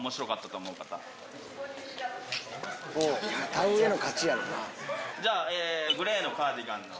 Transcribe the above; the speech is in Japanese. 田植えの勝ちやろな。